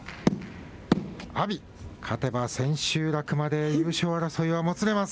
阿炎、勝てば、千秋楽まで優勝争いはもつれます。